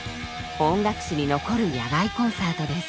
音楽史に残る野外コンサートです。